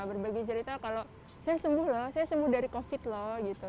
berbagi cerita kalau saya sembuh loh saya sembuh dari covid loh gitu